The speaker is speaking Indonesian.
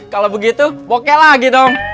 kalau begitu oke lagi dong